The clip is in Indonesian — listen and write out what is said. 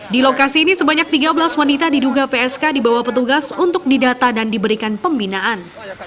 di lokasi ini sebanyak tiga belas wanita diduga psk dibawa petugas untuk didata dan diberikan pembinaan